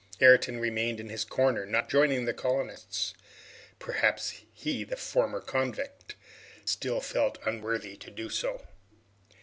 Ayrton remained in his corner, not joining the colonists. Perhaps he, the former convict, still felt himself unworthy to do so!